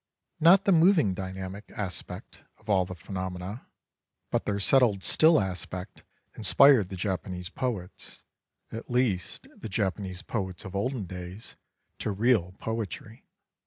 Not the moving dynamic aspect of all the phenom ena, but their settled still aspect inspired the Japanese poets — at least the Japanese poets of olden days — to real poetry.